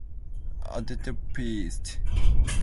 A deity of the woods is naturally the patron of the beasts.